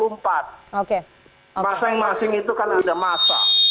masa yang masing itu kan ada masa